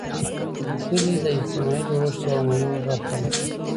کلي د اجتماعي جوړښت یوه مهمه برخه ده.